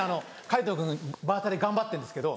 皆藤君バーターで頑張ってるんですけど。